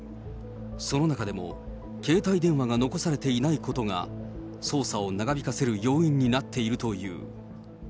その中でも携帯電話が残されていないことが捜査を長引かせる要因になっているという。